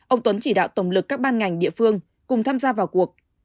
ông tuấn chỉ đạo tổng lực các ban ngành địa phương cùng tham gia vào cuộc